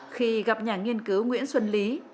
khi gặp nhà nghiên cứu nguyễn xuân lý